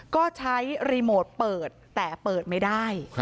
ก็ใช้รีโมทเปิดแต่เปิดไม่ได้